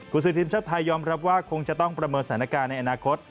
คุณซื้อทีมชาติไทยยอมรับว่าคงจะต้องประเมินสถานการณ์ในอนาคต